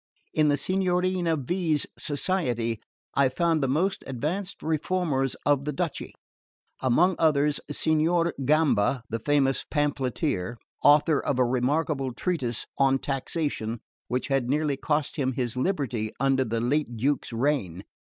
In the Signorina V.'s society I found the most advanced reformers of the duchy: among others Signor Gamba, the famous pamphleteer, author of a remarkable treatise on taxation, which had nearly cost him his liberty under the late Duke's reign.